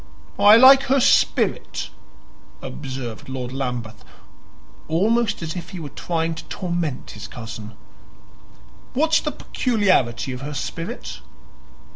"I like her spirit," observed Lord Lambeth, almost as if he were trying to torment his cousin. "What's the peculiarity of her spirit?"